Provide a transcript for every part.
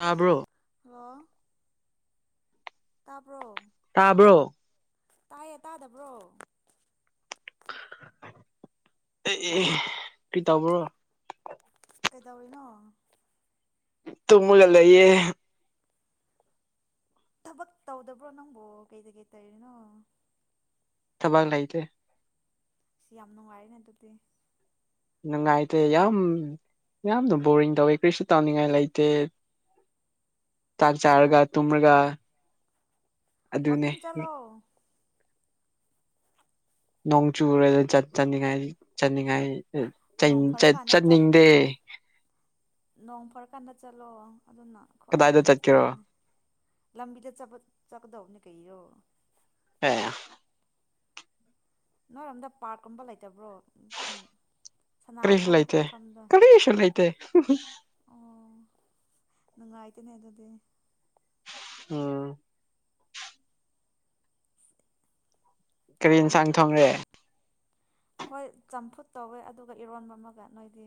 ꯂꯣ ꯇꯥꯕ꯭ꯔꯣ ꯍꯂꯣ ꯇꯥꯄ꯭ꯔꯣ ꯇꯥꯕ꯭ꯔꯣ ꯇꯥꯏꯌꯦ ꯇꯥꯗꯕ꯭ꯔꯣ [inaudible] ꯑꯦ ꯑꯦ ꯑꯦ ꯀ꯭ꯔꯤ ꯇꯧꯕ꯭ꯔꯣ ꯀꯩꯗꯧꯔꯤꯅꯣ ꯇꯨꯝꯃꯒ ꯂꯩꯌꯦ ꯊꯥꯕꯛ ꯇꯧꯗꯕ꯭ꯔꯣ ꯅꯪꯕꯨ ꯀꯩꯗ ꯀꯩ ꯇꯧꯔꯤꯅꯣ ꯊꯕꯛ ꯂꯩꯇꯦ ꯏꯁ ꯌꯥꯝ ꯅꯨꯡꯉꯥꯏꯔꯦꯅ ꯑꯗꯨꯗꯤ ꯅꯨꯡꯉꯥꯏꯇꯦ ꯌꯥꯝ ꯌꯥꯝꯅ ꯕꯣꯔꯤꯡ ꯇꯧꯋꯦ ꯀ꯭ꯔꯤꯁꯨ ꯇꯧꯅꯤꯡꯉꯥꯏ ꯂꯩꯇꯦ ꯆꯥꯛ ꯆꯥꯔꯒ ꯇꯨꯝꯔꯒ ꯑꯗꯨꯅꯦ ꯋꯥꯛꯀꯤꯡ ꯆꯠꯂꯣ ꯅꯣꯡ ꯆꯨꯔꯒ ꯆꯠ ꯆꯠꯅꯤꯉꯥꯏ ꯆꯠꯅꯤꯡ ꯉꯥꯏ ꯗ ꯅꯣꯡ ꯆꯩꯅꯤ ꯆꯠ ꯐꯔꯀꯥꯟꯗ ꯆꯠꯂꯣ ꯆꯠꯅꯤꯡꯗꯦ ꯅꯣꯡ ꯐꯔꯀꯥꯟꯗ ꯆꯠꯂꯣ ꯑꯗꯨꯅ ꯈ꯭ꯋꯥꯏꯗꯩ ꯀꯗꯥꯏꯗ ꯕꯦꯁ ꯆꯠꯀꯦꯔꯣ ꯇꯥꯔꯅꯤ ꯂꯝꯕꯤꯗ ꯆꯄ ꯆꯠꯀꯗꯧꯅꯤ ꯀꯩꯔꯣ ꯍꯦꯌꯥ ꯅꯣꯏꯔꯣꯝꯗ ꯄꯥꯔꯛꯀꯨꯝꯕ ꯂꯩꯇꯕ꯭ꯔꯣ ꯎꯝ ꯀꯔꯤꯕꯨ ꯁꯥꯟꯅꯐꯝ ꯂꯩꯇꯦ ꯈꯣꯠꯐꯝꯗꯣ ꯀꯔꯤꯁꯨ ꯂꯩꯇꯦ ꯑꯣ ꯅꯨꯡꯉꯥꯏꯇꯦꯅꯦ ꯑꯗꯨꯗꯤ ꯎꯝ ꯀꯔꯤ ꯌꯦꯟꯁꯥꯡ ꯊꯣꯡꯔꯦ ꯑꯩꯈꯣꯏ ꯆꯝꯐꯨꯠ ꯇꯧꯋꯦ ꯑꯗꯨꯒ ꯏꯔꯣꯟꯕ ꯑꯃꯒ ꯅꯣꯏꯗꯤ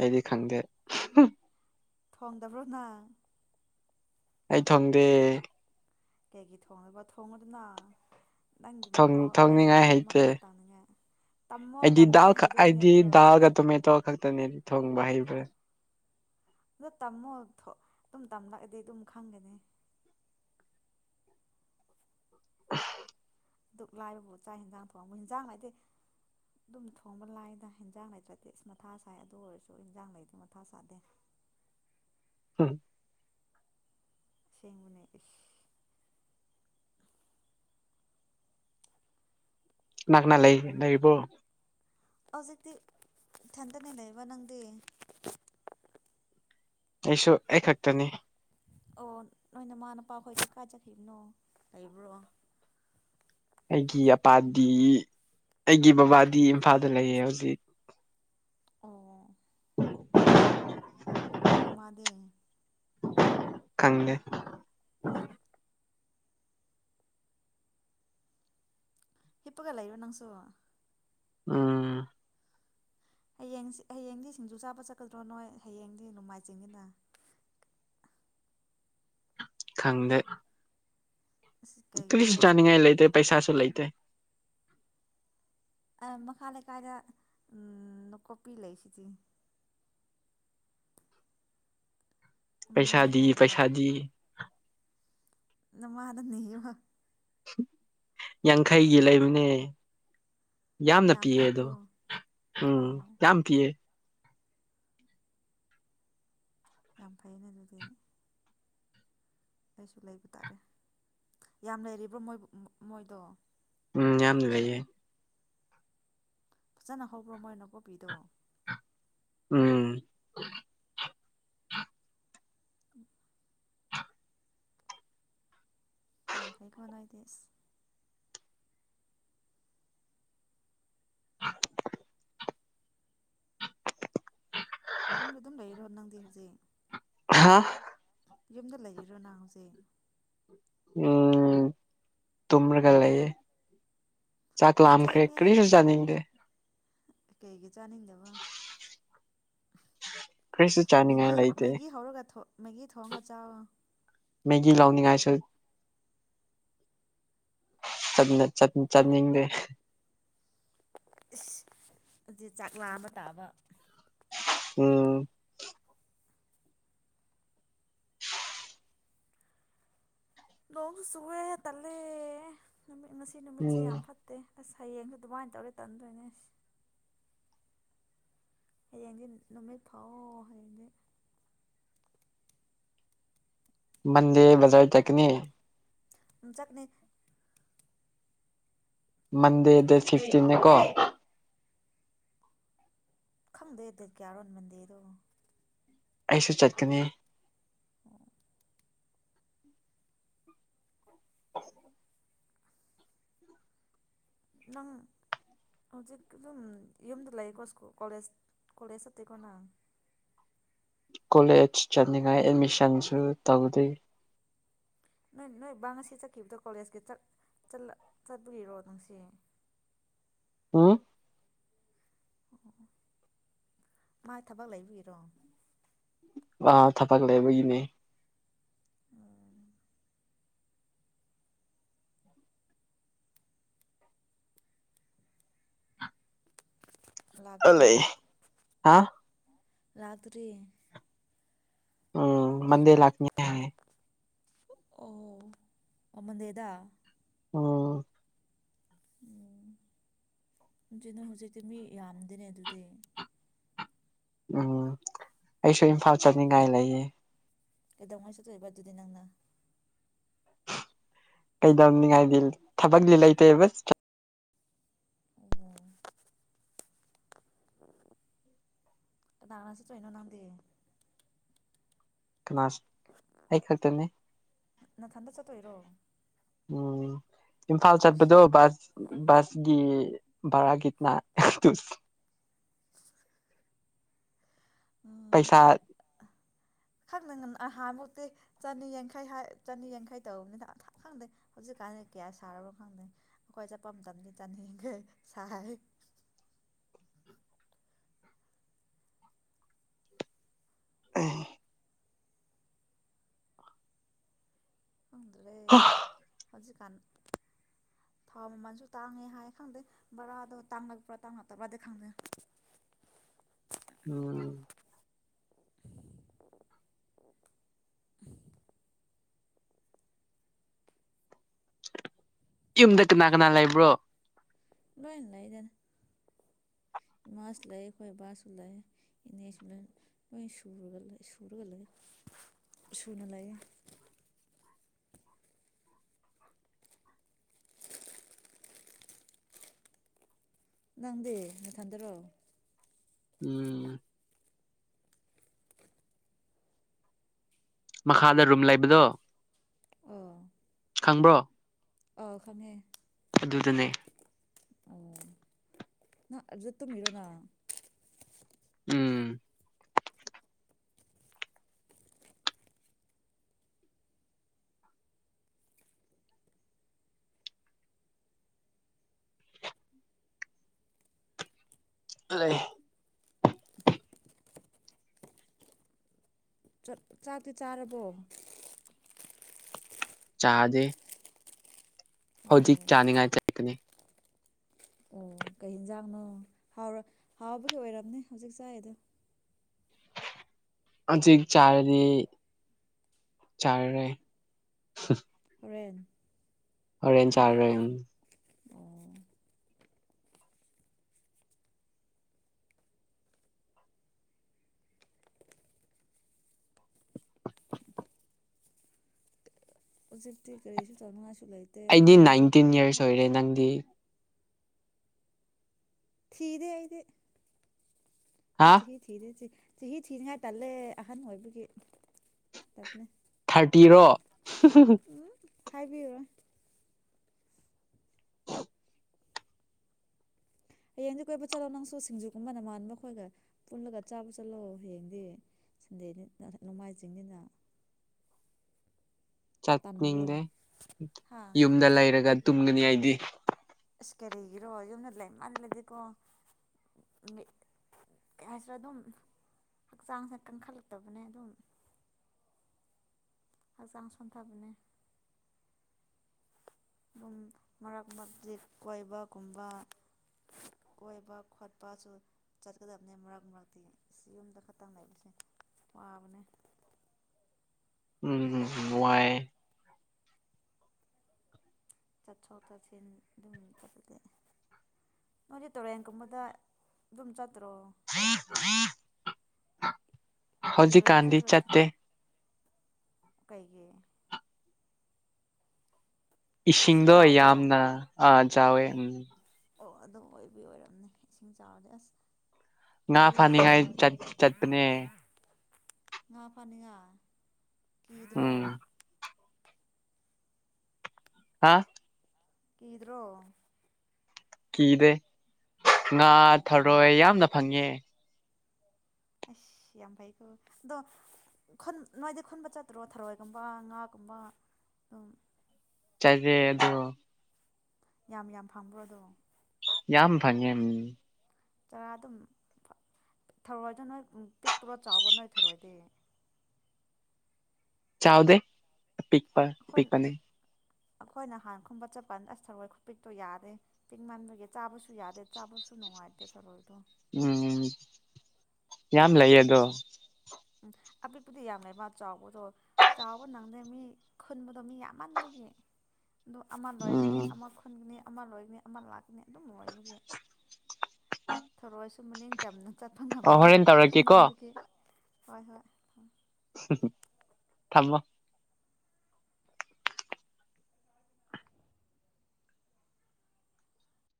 ꯑꯩꯗꯤ ꯈꯪꯗꯦ ꯍꯨꯝ ꯊꯣꯡꯗꯕ꯭ꯔꯣ ꯅ ꯑꯩ ꯊꯣꯡꯗꯦ ꯀꯩꯒꯤ ꯊꯣꯡꯗꯕ ꯊꯣꯡꯉꯣꯗꯅ ꯅꯪꯒꯤ ꯃꯍꯥꯎ ꯅꯪꯒꯤ ꯊꯣꯡꯅꯤꯡꯉꯥꯏ ꯈꯨꯠ ꯍꯩꯇꯦ ꯃꯍꯥꯥꯎ ꯇꯪꯅꯤꯡꯉꯦ ꯑꯩꯗꯤ ꯗꯥꯜ ꯈꯛ ꯑꯩꯗꯤ ꯗꯥꯜꯒ ꯇꯣꯃꯦꯇꯣ ꯈꯛꯇꯅꯦ ꯊꯣꯡꯕ ꯍꯩꯕ ꯑꯗꯣ ꯇꯝꯃꯣ ꯊꯣ ꯑꯗꯨꯝ ꯇꯝꯂꯛꯑꯗꯤ ꯑꯗꯨꯝ ꯈꯪꯒꯅꯤ [inaudible] ꯗꯨꯛ ꯂꯥꯏꯕꯕꯨ ꯆꯥꯛ ꯍꯦꯟꯖꯥꯡ ꯊꯣꯡꯕ ꯍꯤꯡꯖꯥꯡ ꯂꯩꯇꯦ ꯑꯗꯨꯝ ꯊꯣꯡꯕ ꯂꯥꯏꯗ ꯍꯦꯟꯖꯥꯡ ꯂꯩꯇ꯭ꯔꯗꯤ ꯑꯁ ꯃꯊꯥ ꯁꯥꯏ ꯑꯗꯨ ꯑꯣꯏꯔꯁꯨ ꯍꯤꯡꯖꯥꯡ ꯂꯩꯗꯤ ꯃꯊꯥ ꯁꯥꯗꯦ ꯍꯨꯝ ꯁꯦꯡꯕꯅꯦ ꯏꯁ ꯅꯛꯅ ꯂꯩ ꯂꯩꯕ꯭ꯔꯣ ꯍꯧꯖꯤꯛꯇꯤ ꯏꯊꯟꯇꯅꯦ ꯂꯩꯕ ꯅꯪꯗꯤ ꯑꯩꯁꯨ ꯑꯩꯈꯛꯇꯅꯤ ꯑꯣ ꯅꯣꯏ ꯅꯃꯥ ꯅꯄꯥ ꯈꯣꯏꯗꯤ ꯀꯥꯏ ꯆꯠꯈꯤꯕꯅꯣ ꯂꯩꯕ꯭ꯔꯣ ꯑꯩꯒꯤ ꯑꯄꯥꯗꯤ ꯑꯩꯒꯤ ꯕꯕꯥꯗꯤ ꯏꯝꯐꯥꯜꯗ ꯂꯩꯌꯦ ꯍꯧꯖꯤꯛ ꯑꯣ ꯅꯣꯏ ꯃꯥꯗꯤ ꯈꯪꯗꯦ ꯍꯤꯞꯄꯒ ꯂꯩꯌꯣ ꯅꯪꯁꯨ ꯎꯝ ꯍꯌꯦꯡꯁꯤ ꯍꯌꯦꯡꯗꯤ ꯁꯤꯡꯖꯨ ꯆꯥꯕ ꯆꯠꯀꯗ꯭ꯔꯣ ꯅꯣꯏ ꯍꯌꯦꯡꯗꯤ ꯅꯣꯡꯃꯥꯏꯖꯤꯡꯅꯤꯅ ꯈꯪꯗꯦ ꯑꯁ ꯀꯔꯤꯁꯨ ꯀꯩꯒꯤꯔꯣ ꯆꯥꯅꯤꯡꯉꯥꯏ ꯂꯩꯇꯦ ꯄꯩꯁꯥ ꯂꯩꯇꯦ ꯑ ꯃꯈꯥ ꯂꯩꯀꯥꯏꯗ ꯂꯨꯀꯣꯛꯄꯤ ꯂꯩꯁꯤꯗꯤ ꯃꯅꯤꯡ ꯄꯩꯁꯥꯗꯤ ꯂꯩꯀꯥꯏꯗꯨꯗ ꯄꯩꯁꯥꯗꯤ ꯅꯃꯥꯗ ꯅꯤꯌꯨ ꯌꯥꯡꯈꯩꯒꯤ ꯂꯩꯕꯅꯦ ꯌꯥꯝꯅ ꯌꯥꯝ ꯄꯤꯌꯦ ꯑꯗꯣ ꯄꯤꯕ꯭ꯔꯣ ꯎꯝ ꯑꯣ ꯌꯥꯝ ꯄꯤꯑꯦ ꯌꯥꯝ ꯐꯩꯅ ꯑꯗꯨꯗꯤ ꯑꯩꯁꯨ ꯂꯩꯕ ꯇꯥꯔꯦ ꯌꯥꯝ ꯂꯩꯔꯤꯕꯣ ꯃꯣꯏꯕꯨ ꯃꯣꯏꯗꯣ ꯎꯝ ꯌꯥꯝ ꯂꯩꯌꯦ ꯐꯖꯅ ꯍꯧꯕ꯭ꯔꯣ ꯃꯣꯏ ꯅꯀꯨꯞꯄꯤꯗꯣ ꯎꯝ ꯎꯝ [inaudible] ꯌꯥꯝ ꯐꯩꯀꯣ ꯅꯣꯏꯗꯤꯁ ꯌꯨꯝꯗ ꯗꯨꯝ ꯂꯩꯔꯣ ꯅꯪ ꯍꯧꯖꯤꯛ ꯑꯍꯥꯥ ꯌꯨꯝꯗ ꯂꯩꯔꯤꯔꯣ ꯅꯪ ꯍꯧꯖꯤꯛ ꯎꯝ ꯇꯨꯝꯔꯒ ꯂꯩꯌꯦ ꯆꯥꯛ ꯂꯥꯝꯈ꯭ꯔꯦ ꯊꯦꯡꯉꯦꯍꯦ ꯀ꯭ꯔꯤꯁꯨ ꯆꯥꯅꯤꯡꯗꯦ ꯀꯩꯒꯤ ꯆꯥꯅꯤꯡꯗꯕ ꯀꯔꯤꯁꯨ ꯆꯥꯅꯤꯡꯉꯥꯏ ꯃꯦꯒꯤ ꯍ ꯂꯩꯇꯦ ꯃꯦꯒꯤ ꯍꯧꯔꯒ ꯊꯣ ꯃꯦꯒꯤ ꯊꯣꯡꯑ ꯆꯥꯥꯎꯋꯣ ꯃꯦꯒꯤ ꯂꯥꯎꯅꯤꯡꯉꯥꯏꯁꯨ ꯆꯠꯅ ꯆꯠꯅ ꯆꯠꯅꯤꯡꯗꯦ ꯏꯁ ꯑꯗꯨ ꯆꯥꯛꯂꯥꯝꯕ ꯇꯥꯕ ꯎꯝ ꯅꯣꯡꯁꯨ ꯆꯨꯋꯦ ꯇꯜꯂꯦ ꯅꯨꯃꯤꯠ ꯉꯁꯤ ꯅꯨꯃꯤꯠꯁꯦ ꯌꯥꯝ ꯎꯝ ꯐꯠꯇꯦ ꯑꯁ ꯍꯌꯦꯡꯗꯨ ꯗꯨꯃꯥꯏꯅ ꯇꯧꯔꯗꯤ ꯇꯟꯗꯣꯏꯅꯦ ꯍꯌꯦꯡꯗꯤ ꯅꯨꯃꯤꯠ ꯐꯥꯎꯋꯣ ꯍꯌꯦꯡꯗꯤ ꯃꯟꯗꯦ ꯕꯖꯥꯔ ꯆꯠꯀꯅꯤ ꯎꯝ ꯆꯠꯅꯤ ꯃꯟꯗꯦ ꯗ ꯐꯤꯐꯇꯤꯟ ꯅꯤꯀꯣ [inaudible] ꯈꯪꯗꯦ ꯗꯦꯠ ꯀꯌꯥꯔꯣ ꯃꯟꯗꯦꯗꯣ ꯑꯩꯁꯨ ꯆꯠꯀꯅꯤ [inaudible] [inaudible] ꯅꯪ ꯍꯧꯖꯤꯛ ꯑꯗꯨꯝ ꯌꯨꯝꯗ ꯂꯩꯀꯣ ꯁꯀꯨꯜ ꯀꯣꯂꯦꯖ ꯀꯣꯂꯦꯖ ꯆꯠꯇꯦꯀꯣ ꯅꯪ ꯀꯣꯂꯦꯖ ꯆꯠꯅꯤꯡꯉꯥꯏ ꯑꯦꯠꯃꯤꯁꯟꯁꯨ ꯇꯧꯗꯦ ꯅꯣꯏ ꯅꯣꯏ ꯕꯥ ꯉꯁꯤ ꯆꯠꯈꯤꯕꯗꯣ ꯀꯣꯂꯦꯖꯀꯤ ꯆꯠ ꯆꯠ ꯆꯠꯂꯤꯔꯣ ꯉꯁꯤ ꯎꯝ ꯑꯣ ꯃꯥꯥꯏ ꯊꯕꯛ ꯂꯩꯕꯩꯔꯣ ꯑ ꯊꯕꯛ ꯂꯩꯕꯒꯤꯅꯦ ꯂꯥꯛꯇ꯭ꯔꯤ ꯂꯩ ꯍꯥ ꯂꯥꯛꯇ꯭ꯔꯤ ꯎꯝ ꯃꯟꯗꯦ ꯂꯥꯛꯀꯅꯤ ꯍꯥꯏ ꯑꯣ ꯃꯟꯗꯦꯗ ꯎꯝ ꯎꯝ ꯑꯗꯨ ꯍꯧꯖꯤꯛ ꯅꯪ ꯍꯧꯖꯤꯛꯇꯤ ꯃꯤ ꯌꯥꯝꯗꯦꯅꯦ ꯑꯗꯨꯗꯤ ꯎꯝ ꯑꯩꯁꯨ ꯏꯝꯐꯥꯜ ꯆꯠꯅꯤꯡꯉꯥꯏ ꯂꯩꯌꯦ ꯀꯗꯧꯉꯩ ꯆꯠꯇꯣꯏꯕ ꯑꯗꯨꯗꯤ ꯅꯪꯅ ꯀꯩꯗꯧꯅꯤꯉꯥꯏꯗꯤ ꯊꯕꯛꯗꯤ ꯂꯩꯇꯦ ꯀꯅꯥꯒ ꯆꯠꯇꯧꯅꯣ ꯅꯪꯗꯤ ꯀꯅꯥꯁꯨ ꯑꯩ ꯈꯛꯇꯅꯦ ꯅꯊꯟꯇ ꯆꯠꯇꯣꯏꯔꯣ ꯎꯝ ꯏꯝꯐꯥꯜ ꯆꯠꯄꯗꯣ ꯕꯁ ꯕꯁꯒꯤ ꯚꯔꯥꯒꯤꯅ ꯎꯝ ꯄꯩꯁꯥ ꯈꯪꯗꯦ ꯑꯍꯥꯟꯃꯨꯛꯇꯤ ꯆꯅꯤ ꯌꯥꯡꯈꯩ ꯆꯅꯤ ꯌꯥꯡꯈꯩ ꯇꯅꯤꯅ ꯈꯪꯗꯦ ꯍꯧꯖꯤꯛꯀꯥꯟꯗꯤ ꯀꯌꯥ ꯁꯥꯔꯕꯣ ꯈꯪꯗꯦ ꯑꯩꯈꯣꯏ ꯆꯠꯄ ꯃꯇꯝꯗꯤ ꯆꯅꯤ ꯌꯥꯡꯈꯩ ꯁꯔꯦ [inaudible] ꯈꯪꯗ꯭ꯔꯦ [inaudible] ꯍꯧꯖꯤꯛꯀꯥꯟ ꯊꯥꯎ ꯃꯃꯜꯁꯨ ꯇꯥꯡꯉꯦ ꯍꯥꯏ ꯈꯪꯗꯦ ꯕꯔꯥꯗꯣ ꯇꯥꯡꯉꯛꯄ꯭ꯔꯥ ꯇꯥꯡꯉꯛꯇꯕ꯭ꯔꯥꯗꯤ ꯈꯪꯗꯦ ꯎꯝ [inaudible] ꯌꯨꯝꯗ ꯀꯅꯥ ꯀꯅꯥ ꯂꯩꯕ꯭ꯔꯣ ꯂꯣꯏꯅ ꯂꯩꯗꯅ ꯏꯃꯥꯁꯨ ꯂꯩ ꯑꯩꯈꯣꯏ ꯏꯕꯥꯁꯨ ꯂꯩ ꯏꯅꯦꯁꯨ ꯂꯣꯏ ꯂꯣꯏ ꯁꯨꯔꯒ ꯂꯩ ꯁꯨꯅ ꯂꯩꯌꯦ ꯅꯪꯗꯤ ꯃꯊꯟꯗꯔꯣ ꯎꯝ ꯃꯈꯥꯗ ꯔꯨꯝ ꯂꯩꯕꯗꯣ ꯑꯧ ꯈꯪꯕ꯭ꯔꯣ ꯑꯣ ꯈꯪꯉꯦ ꯑꯗꯨꯗꯅꯦ ꯑꯣ ꯅꯪ ꯑꯗꯨꯗ ꯇꯨꯝꯃꯤꯔꯣ ꯅꯪ ꯎꯝ ꯂꯩ ꯆꯛ ꯆꯥꯛꯇꯤ ꯆꯥꯔꯕꯣ ꯆꯥꯗꯦ ꯑꯣ ꯍꯧꯖꯤꯛ ꯆꯥꯅꯤꯡꯉꯥꯏ ꯆꯥꯠꯀꯅꯤ ꯑꯣ ꯀꯩ ꯌꯦꯟꯖꯥꯡꯅꯣ ꯍꯥꯎ ꯍꯥꯎꯕꯗꯤ ꯑꯣꯏꯔꯝꯅꯦ ꯍꯧꯖꯤꯛ ꯆꯥꯏꯗꯣ ꯍꯧꯖꯤꯛ ꯆꯔꯗꯤ ꯆꯔꯥꯔꯣꯏ ꯍꯨꯝ ꯔꯦꯟ ꯑꯔꯦꯟ ꯆꯥꯔꯦꯟ ꯑꯣ ꯍꯧꯖꯤꯛꯇꯤ ꯀꯔꯤꯁꯨ ꯇꯧꯅꯤꯡꯉꯏꯁꯨ ꯑꯩꯗꯤ ꯅꯥꯏꯟꯇꯤꯟ ꯌꯔꯁ ꯑꯣꯏꯔꯦ ꯅꯪ [inaudible] ꯊꯤꯗꯦ ꯑꯩꯗꯤ ꯍꯥ ꯑꯩ ꯆꯍꯤ ꯊꯤꯗꯦ ꯆꯤ ꯆꯍꯤ ꯊꯤꯅꯤꯉꯥꯏ ꯇꯜꯂꯦ ꯑꯍꯟ ꯑꯣꯏꯕꯒꯤ ꯇꯜꯂꯦ ꯇꯤꯔꯣ [inaudible] ꯍꯥꯏꯕꯤꯌꯣ ꯍꯌꯦꯡꯗꯤ ꯀꯣꯏꯕ ꯆꯠꯂꯣ ꯅꯪꯁꯨ ꯁꯤꯡꯖꯨꯀꯨꯝꯕꯅ ꯅꯃꯥꯟꯕ ꯈꯣꯏꯒ ꯄꯨꯜꯂꯒ ꯆꯥꯕ ꯆꯠꯂꯣ ꯍꯌꯦꯡꯗꯤ ꯁꯟꯗꯦ ꯅꯤꯅ ꯅꯣꯡꯃꯥꯏꯖꯤꯡꯅꯤꯅ ꯇꯟꯕ꯭ꯔꯣ ꯆꯠꯅꯤꯡꯗꯦ ꯍꯥ ꯌꯨꯝꯗ ꯂꯩꯔꯒ ꯇꯨꯝꯒꯅꯤ ꯑꯩꯗꯤ ꯑꯁ ꯀꯔꯤꯒꯤꯔꯣ ꯌꯨꯝꯗ ꯂꯩꯃꯜꯂꯗꯤꯀꯣ ꯀꯩ ꯍꯥꯏꯁꯤꯔꯥ ꯑꯗꯨꯝ ꯍꯛꯆꯥꯡꯁꯦ ꯀꯟꯈꯠꯂꯛꯇꯕꯅꯦ ꯑꯗꯨꯝ ꯍꯆꯥꯡ ꯁꯣꯟꯊꯕꯅꯦ ꯑꯗꯨꯝ ꯃꯔꯛ ꯃꯔꯛꯇꯤ ꯀꯣꯏꯕꯒꯨꯝꯕ ꯀꯣꯏꯕ ꯈꯣꯠꯄꯁꯨ ꯆꯠꯀꯗꯕꯅꯦ ꯃꯔꯛ ꯃꯔꯛꯇꯤ ꯌꯨꯝꯗ ꯈꯛꯇꯪ ꯂꯩꯕꯁꯦ ꯋꯥꯕꯅꯦ ꯅꯨꯉꯥꯏꯌꯦ ꯆꯠꯊꯣꯛ ꯆꯠꯁꯤꯟ ꯑꯗꯨꯝ ꯆꯠꯄ ꯅꯣꯏꯗꯤ ꯇꯨꯔꯦꯟꯒꯨꯝꯕꯗ ꯑꯗꯨꯝ ꯆꯠꯇ꯭ꯔꯣ ꯍꯧꯖꯤꯛ ꯏꯔꯣꯏꯕ ꯀꯥꯟꯗꯤ ꯆꯠꯇ꯭ꯔꯣ ꯆꯠꯇꯦ ꯀꯩꯒꯤ ꯏꯁꯤꯡ ꯏꯁꯤꯡꯗꯣ ꯆꯥꯎꯕ꯭ꯔꯣ ꯌꯥꯝꯅ ꯑ ꯆꯥꯎꯋꯦ ꯎꯝ ꯑꯣ ꯑꯗꯨꯝ ꯑꯣꯏꯕꯤ ꯑꯣꯏꯔꯝꯅꯦ ꯏꯁꯤꯡ ꯆꯥꯎꯔꯗꯤ ꯑꯁ ꯉꯥ ꯀꯤꯌꯦ ꯏꯁꯤꯡ ꯐꯥꯅꯤꯡꯉꯥꯏ ꯆꯥꯎꯔꯗꯤ ꯆꯠ ꯆꯠꯄꯅꯦ ꯉꯥ ꯐꯅꯤꯉꯥ ꯎꯝ ꯍꯥ ꯀꯤꯗ꯭ꯔꯣ ꯀꯤꯗꯦ ꯉꯥ ꯀꯩꯒꯤꯔꯣ ꯊꯔꯣꯏ ꯌꯥꯝꯅ ꯐꯪꯉꯦ ꯑꯁ ꯌꯥꯝ ꯐꯩꯀꯣ ꯑꯗꯣ ꯈꯨꯟ ꯅꯣꯏꯗꯤ ꯈꯨꯟꯕ ꯆꯠꯇ꯭ꯔꯣ ꯊꯔꯣꯏꯒꯨꯝꯕ ꯉꯥꯒꯨꯝꯕ ꯑꯗꯨꯝ ꯆꯥꯂꯦ ꯑꯗꯣ ꯌꯥꯝ ꯌꯥꯝ ꯐꯕ꯭ꯔꯣꯗꯣ ꯌꯥꯝ ꯐꯪꯉꯦ ꯃꯝ ꯆꯔꯥ ꯑꯗꯨꯝ ꯊꯧꯔꯣꯏꯗꯣ ꯅꯣꯏ ꯄꯤꯛꯄ꯭ꯔꯣ ꯆꯥꯎꯕꯣ ꯅꯣꯏ ꯊꯔꯣꯏꯗꯤ ꯆꯥꯎꯗꯦ ꯄꯤꯛꯄ ꯄꯤꯛꯄꯅꯦ ꯑꯈꯣꯏ ꯅꯍꯥꯟ ꯈꯨꯝꯕ ꯆꯠꯄ ꯑꯁ ꯊꯔꯣꯏ ꯈꯨꯄꯤꯛꯇꯣ ꯌꯥꯗꯦ ꯄꯤꯛꯃꯟꯕꯒꯤ ꯆꯥꯕꯁꯨ ꯌꯥꯗꯦ ꯆꯥꯕꯁꯨ ꯅꯨꯡꯉꯥꯏꯇꯦ ꯊꯔꯣꯏꯗꯣ ꯎꯝ ꯌꯥꯝ ꯂꯩꯌꯦ ꯑꯗꯣ ꯎꯝ ꯑꯄꯤꯛꯄꯗꯤ ꯌꯥꯝ ꯂꯩꯕ ꯆꯥꯎꯕꯗꯣ ꯆꯥꯎꯕ ꯅꯪꯗꯦ ꯃꯤ ꯈꯨꯟꯕꯗꯣ ꯃꯤ ꯌꯥꯝꯃꯟꯕꯒꯤ ꯑꯗꯨ ꯑꯃ ꯂꯣꯏꯒꯅꯤ ꯎꯝ ꯑꯃ ꯈꯨꯟꯒꯅꯤ ꯑꯃ ꯂꯣꯏꯒꯅꯤ ꯑꯃ ꯂꯥꯛꯅꯤ [inaudible] ꯊꯔꯣꯏꯁꯨ ꯃꯅꯤꯡ ꯇꯝꯅ ꯆꯠꯄ ꯑꯣ ꯉꯝꯗ꯭ꯔꯦ ꯍꯣꯔꯦꯟ ꯈꯨꯟ ꯇꯧꯔꯛꯀꯦꯀꯣ ꯃꯟꯕꯒꯤ ꯍꯣꯏ ꯍꯣꯏ ꯍꯨ ꯍꯨ ꯊꯝꯃꯣ